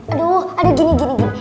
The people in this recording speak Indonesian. aduh ada gini gini gini